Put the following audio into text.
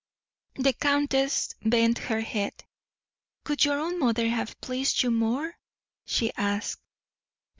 The countess bent her head. "Could your own mother have pleased you more?" she asked.